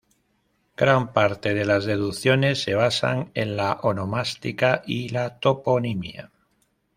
Gran parte de las deducciones se basan en la onomástica y la toponimia.